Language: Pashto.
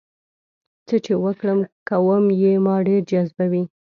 څه چې وکړم کوم یې ما ډېر جذبوي؟